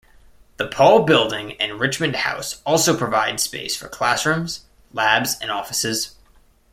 The Paul Building and Richmond House also provide space for classrooms, labs and offices.